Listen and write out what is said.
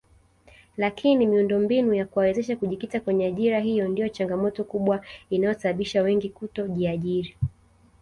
Lakini miundombinu ya kuwawezesha kujikita kwenye ajira hiyo ndio changamoto kubwa inayosababisha wengi kutojiajiri